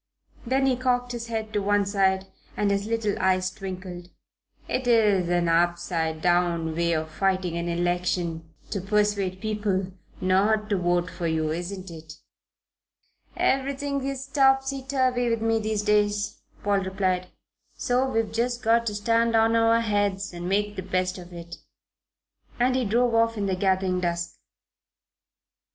Then he cocked his head on one side and his little eyes twinkled: "It's an upside down way of fighting an election to persuade people not to vote for you, isn't it?" "Everything is topsy turvy with me, these days," Paul replied: "so we've just got to stand on our heads and make the best of it." And he drove off in the gathering dusk.